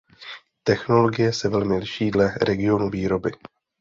Technologie se velmi liší dle regionu výroby.